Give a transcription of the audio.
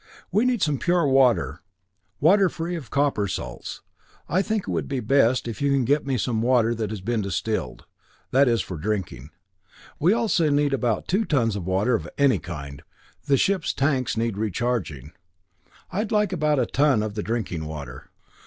"We need some pure water water free of copper salts. I think it would be best if you can get me some water that has been distilled. That is, for drinking. Also we need about two tons of water of any kind the ship's tanks need recharging. I'd like about a ton of the drinking water."